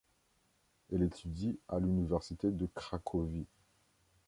Elle étudie à l'Université de Cracovie.